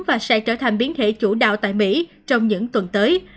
và sẽ trở thành biến thể chủ đạo tại mỹ trong những tuần tới